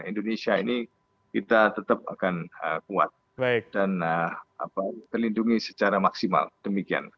indonesia ini kita tetap akan kuat dan terlindungi secara maksimal demikian